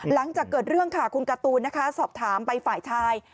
หลังจากเกิดเรื่องค่ะคุณการ์ตูนนะคะสอบถามไปฝ่ายชาย